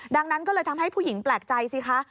ดังนั้นก็เลยทำให้ผู้หญิงแปลกใจสิคะ